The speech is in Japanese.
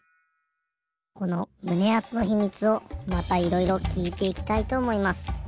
このむねあつの秘密をまたいろいろきいていきたいとおもいます。